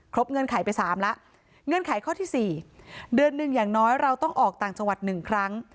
เงื่อนไขไป๓แล้วเงื่อนไขข้อที่๔เดือนหนึ่งอย่างน้อยเราต้องออกต่างจังหวัด๑ครั้ง